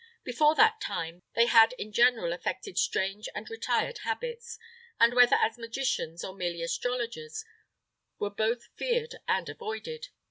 Before that time, they had in general affected strange and retired habits, and, whether as magicians or merely astrologers, were both feared and avoided.